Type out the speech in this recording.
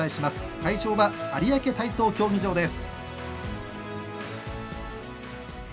会場は有明体操競技場です。